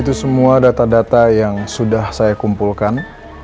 itu semua data data yang sudah saya kumpulkan